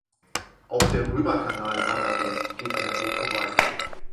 Auch der Römerkanal-Wanderweg geht an der Burg vorbei.